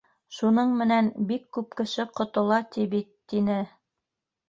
Шуның менән бик күп кеше ҡотола, ти, бит, — тине.